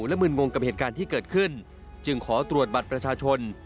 และมึนงงกับเหตุการณ์ที่เกิดขึ้นจึงขอตรวจบัตรประชาชน